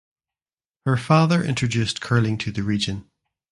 Her father introduced curling to the region.